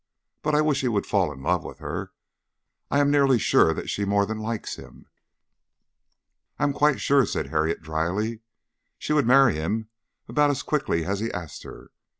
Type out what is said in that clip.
But I wish he would fall in love with her. I am nearly sure that she more than likes him." "I am quite sure," said Harriet, dryly. "She would marry him about as quickly as he asked her.